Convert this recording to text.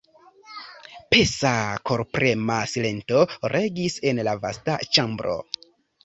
Pesa, korprema silento regis en la vasta ĉambro.